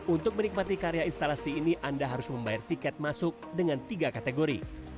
untuk menikmati karya instalasi ini anda harus membayar tiket masuk dengan tiga kategori